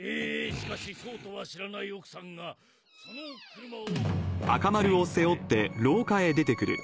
「しかしそうとは知らない奥さんがその車を」。